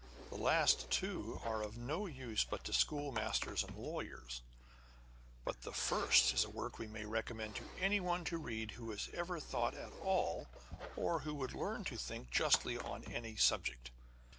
The two last are of no use but to schoolmasters and lawyers : but the first is a work we may recommend to anyone to read who has ever thought at all, or who would learn to think justly on any subject.